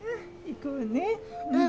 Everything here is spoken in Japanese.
行こうね。